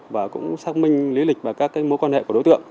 và cũng xác minh lý lịch và các mối quan hệ của đối tượng